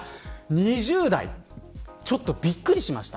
２０代ちょっとびっくりしました。